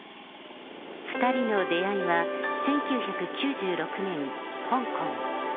２人の出会いは１９９６年、香港。